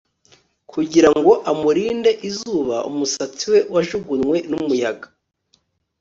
Kugira ngo amurinde izuba umusatsi we wajugunywe numuyaga